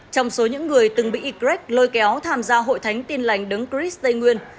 trong số những người từng bị y lôi kéo tham gia hội thánh tin lành đấng cris tây nguyên